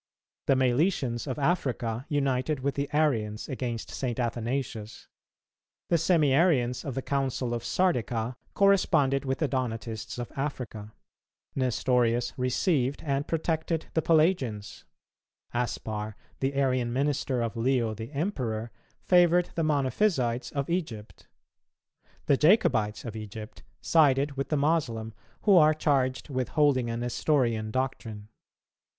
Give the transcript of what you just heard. The Meletians of Africa united with the Arians against St. Athanasius; the Semi Arians of the Council of Sardica corresponded with the Donatists of Africa; Nestorius received and protected the Pelagians; Aspar, the Arian minister of Leo the Emperor, favoured the Monophysites of Egypt; the Jacobites of Egypt sided with the Moslem, who are charged with holding a Nestorian doctrine.